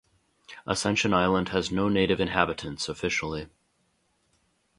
Ascension Island has no native inhabitants officially.